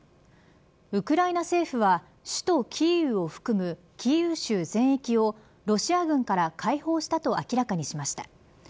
ウクライナ政府は首都キーウを含むキーウ州全域をロシア軍から解放したと明らかにしました。